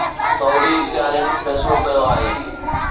سعودي اختيارين فيصلو ڪيو آهي